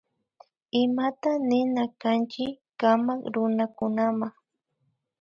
Imata nina kanchi kamak runakunama